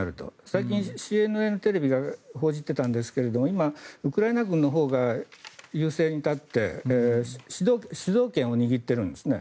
最近、ＣＮＮテレビが報じていたんですが今、ウクライナ軍のほうが優勢に立って主導権を握っているんですね。